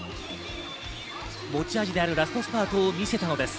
持ち味であるラストスパートを見せたのです。